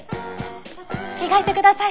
着替えてください。